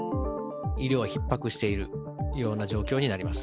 医療はひっ迫しているような状況になります。